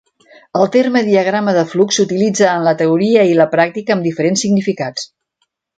El terme diagrama de flux s'utilitza en la teoria i la pràctica amb diferents significats.